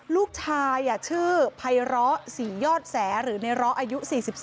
ลูกชายชื่อภัยร้อศรียอดแสหรือในร้ออายุ๔๓